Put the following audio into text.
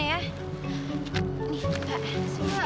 nih mbak semua